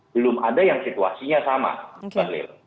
belum ada yang situasinya sama bahlil